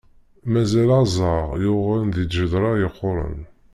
Mazal aẓar yuɣen di lǧedra yeqquṛen.